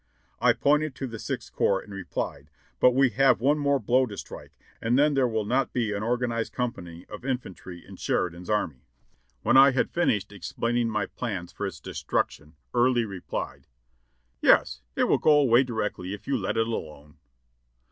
"I pointed to the Sixth Corps and replied : 'But we have one more blow to strike, and then there will not be an organized com pany of infantry in Sheridan's army.' "When I had finished explaining my plans for its destruction. Early replied : 'Yes, it will go away directly if you let it alone.'